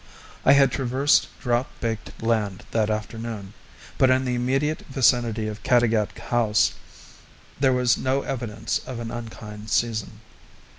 I had traversed drought baked land that afternoon, but in the immediate vicinity of Caddagat house there was no evidence of an unkind season.